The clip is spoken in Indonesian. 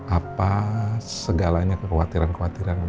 apa segalanya kekhawatiran kekhawatiran bu rosa